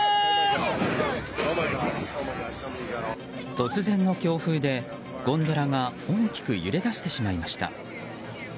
突然の強風でゴンドラが大きく揺れだしてしまいました。